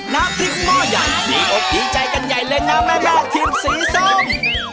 น้ำพริกหม้อใหญ่ดีอกดีใจกันใหญ่เลยนะแม่ทีมสีส้ม